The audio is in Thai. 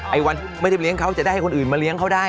ไอ้วันไม่ได้เลี้ยงเขาจะได้ให้คนอื่นมาเลี้ยงเขาได้